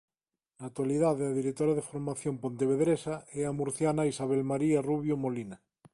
Na actualidade a directora da formación pontevedresa é a murciana Isabel María Rubio Molina.